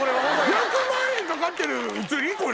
５００万円かかってる映り⁉